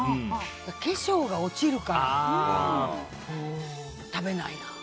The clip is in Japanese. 化粧が落ちるから食べないな。